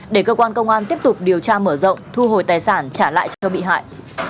để cơ quan công an tiếp tục điều tra mở rộng thu hồi tài sản trả lại cho bị hại